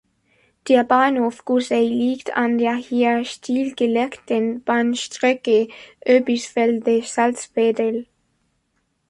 Der Bahnhof Kusey liegt an der hier stillgelegten Bahnstrecke Oebisfelde–Salzwedel.